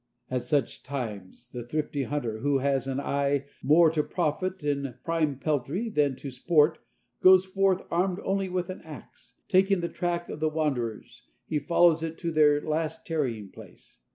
At such times the thrifty hunter who has an eye more to profit and prime peltry than to sport, goes forth armed only with an axe. Taking the track of the wanderers, he follows it to their last tarrying place.